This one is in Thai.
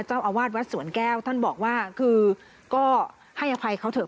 เจ้าอาวาสวัดสวนแก้วท่านบอกว่าคือก็ให้อภัยเขาเถอะ